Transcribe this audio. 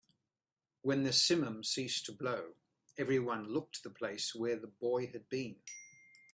When the simum ceased to blow, everyone looked to the place where the boy had been.